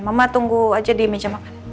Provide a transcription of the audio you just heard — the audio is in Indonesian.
mama tunggu aja di meja makan